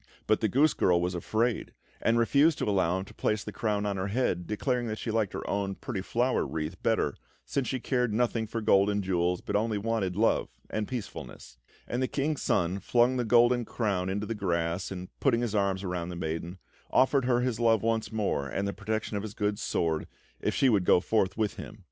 But the goose girl was afraid, and refused to allow him to place the crown on her head, declaring that she liked her own pretty flower wreath better, since she cared nothing for gold and jewels, but only wanted love and peacefulness; and the King's Son flung the golden crown into the grass, and putting his arms around the maiden, offered her his love once more and the protection of his good sword, if she would go forth with him.